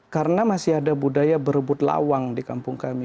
karena masih ada budaya berebut lawang di kampung kami